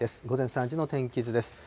午前３時の天気図です。